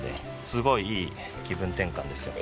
すごいいい気分転換ですよ。